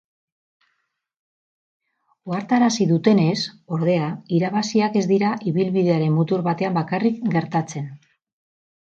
Ohartarazi dutenez, ordea, irabaziak ez dira ibilbidearen mutur batean bakarrik gertatzen.